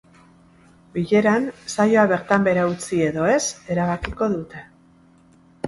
Bileran, saioa bertan behera utzi edo ez erabakiko dute.